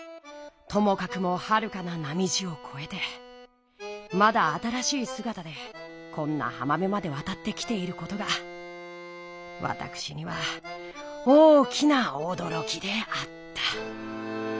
ともかくもはるかな波路をこえてまだ新しいすがたでこんなはまべまでわたってきていることがわたくしには大きなおどろきであった。